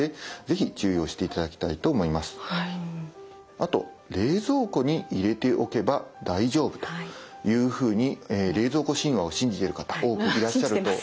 あと冷蔵庫に入れておけば大丈夫というふうに冷蔵庫神話を信じてる方多くいらっしゃると思います。